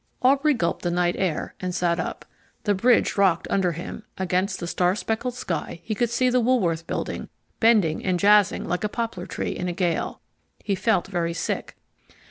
Aubrey gulped the night air, and sat up. The bridge rocked under him; against the star speckled sky he could see the Woolworth Building bending and jazzing like a poplar tree in a gale. He felt very sick.